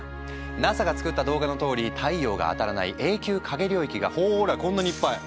ＮＡＳＡが作った動画のとおり太陽が当たらない永久影領域がほらこんなにいっぱい！